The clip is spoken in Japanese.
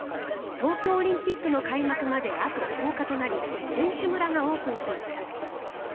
東京オリンピックの開幕まであと１０日となり選手村がオープンしました。